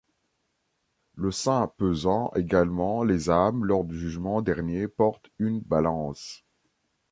Le saint pesant également les âmes lors du jugement dernier porte une balance.